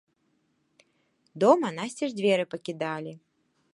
Дома насцеж дзверы пакідалі.